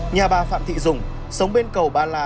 nhà bà phạm thị dũng sống bên cầu ba la